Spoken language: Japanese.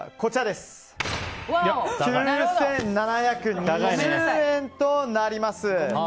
９７２０円となります。